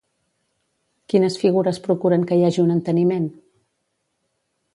Quines figures procuren que hi hagi un enteniment?